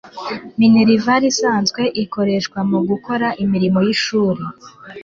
minerval isanzwe ikoreshwa mugukora imirimo y’ishuri